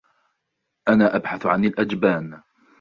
أنا أبحث عن الأجبان.